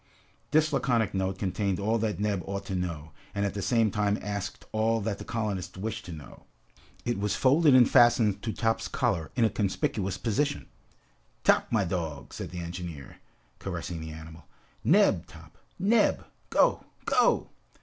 This laconic note contained all that Neb ought to know, and at the same time asked all that the colonists wished to know. It was folded and fastened to Top's collar in a conspicuous position. "Top, my dog," said the engineer, caressing the animal, "Neb, Top! Neb! Go, go!"